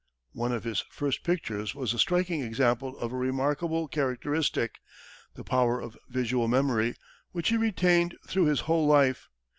One of his first pictures was a striking example of a remarkable characteristic, the power of visual memory, which he retained through his whole life.